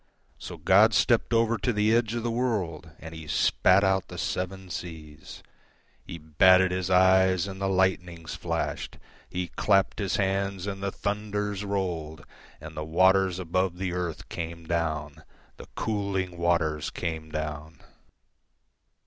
So God stepped over to the edge of the worldAnd He spat out the seven seas; He batted His eyes, and the lightnings flashed; He clapped His hands, and the thunders rolled; And the waters above the earth came down, The cooling waters came down.